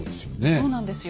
そうなんですよ。